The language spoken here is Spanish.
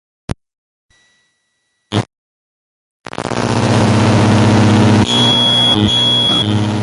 De la nuca parte una línea más oscura hasta mitad de espalda.